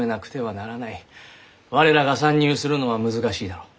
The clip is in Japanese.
我らが参入するのは難しいだろう。